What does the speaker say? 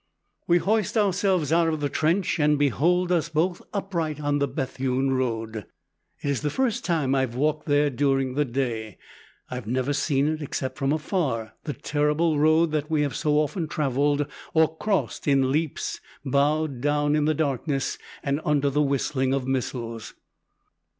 We hoist ourselves out of the trench, and behold us both, upright, on the Bethune road! It is the first time I have walked there during the day. I have never seen it, except from afar, the terrible road that we have so often traveled or crossed in leaps, bowed down in the darkness, and under the whistling of missiles.